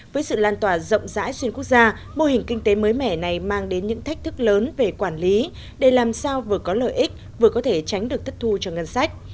với sự lan tỏa rộng rãi xuyên quốc gia mô hình kinh tế mới mẻ này mang đến những thách thức lớn về quản lý để làm sao vừa có lợi ích vừa có thể tránh được thất thu cho ngân sách